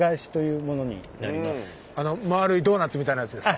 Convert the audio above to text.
あの丸いドーナツみたいなやつですか？